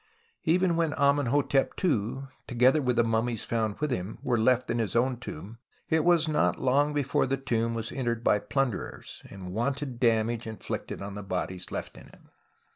Even when Amenhotep II (together with the mummies found with him) were left in his own tomb, it was not long before the tomb was entered by plunderers and wanton damage inflicted on the bodies left in it.